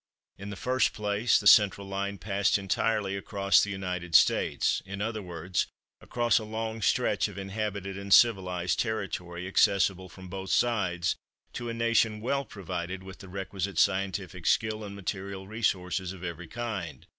In the first place, the central line passed entirely across the United States; in other words, across a long stretch of inhabited and civilised territory, accessible from both sides to a nation well provided with the requisite scientific skill and material resources of every kind.